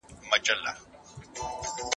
انسانان باید د تضاد او ګډوډۍ څخه لاس واخلي.